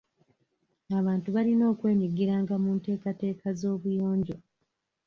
Abantu balina okwenyigiranga mu nteekateeka z'obuyonjo.